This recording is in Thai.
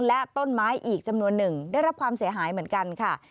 และต้นไม้อีกจำนวนหนึ่งได้รับความเสียหายเหมือนกันค่ะ